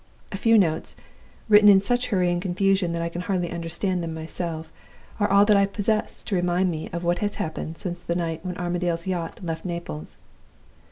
A few notes, written in such hurry and confusion that I can hardly understand them myself, are all that I possess to remind me of what has happened since the night when Armadale's yacht left Naples.